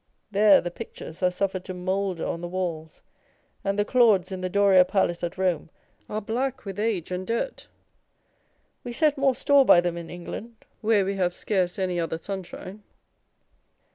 There the pictures are suffered to moulder on the walls ; and the Claudes in the Doria Palace at Rome are black with age and dirt. We set more store by them in England, where we have scarce any other sunshine